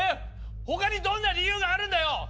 ほかにどんな理由があるんだよ！？